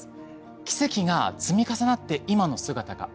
奇跡が積み重なって今の姿があって。